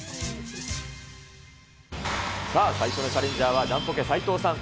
さあ、最初のチャレンジャーはジャンポケ・斉藤さん。